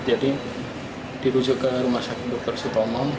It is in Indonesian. jadi dirujuk ke rumah sakit bukter sutomo